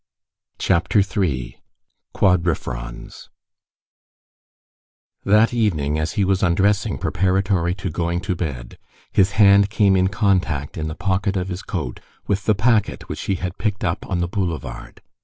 CHAPTER III—QUADRIFRONS That evening, as he was undressing preparatory to going to bed, his hand came in contact, in the pocket of his coat, with the packet which he had picked up on the boulevard.